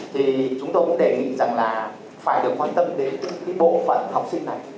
thì chúng tôi cũng đề nghị rằng là phải được quan tâm đến cái bộ phận học sinh này